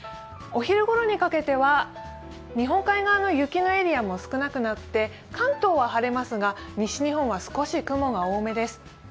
お昼ごろにかけては日本海側の雪のエリアも少なくなって関東は晴れますが西日本は少し雲が多めです。